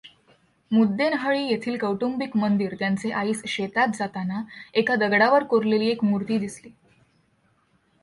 मुद्देनहळ्ळी येथील कौटुंबिक मंदिर त्यांचे आईस शेतात जाताना एका दगडावर कोरलेली एक मुर्ती दिसली.